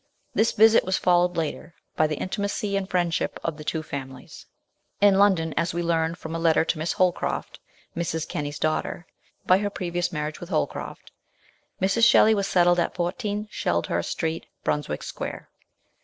This visit was followed later by the intimacy and friendship of the two families. In London (as we learn from a letter to Miss Hol crolt, Mrs. Kenny's daughter, by her previous marriage with Holcroft) Mrs. Shelley was settled at 14, Sheld hurst Street, Brunswick Square.